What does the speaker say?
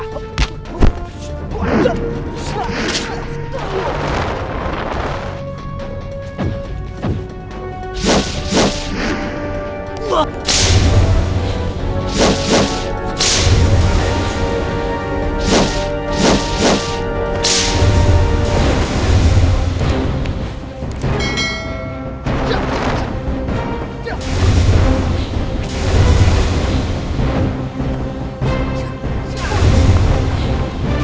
bawa dia kiumbun